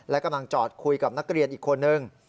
และกำลังจอดคุยกับนักเรียนอีกคนนึง